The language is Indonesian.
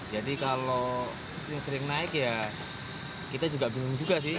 jadi kalau sering sering naik ya kita juga bingung juga sih